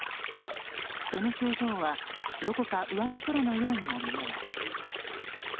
その表情はどこか上の空のようにも見えます。